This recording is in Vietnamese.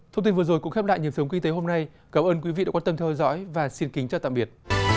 thông tin vừa rồi cũng khép lại nhiệm sống kinh tế hôm nay cảm ơn quý vị đã quan tâm theo dõi và xin kính chào tạm biệt